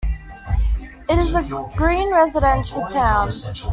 It is a green residential town.